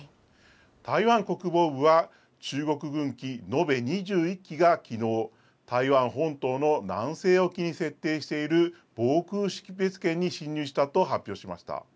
台湾国防部は、中国軍機延べ２１機がきのう、台湾本島の南西沖に設定している防空識別圏に進入したと発表しました。